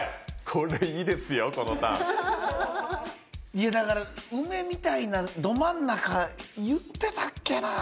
いやだから梅みたいなど真ん中言ってたっけな。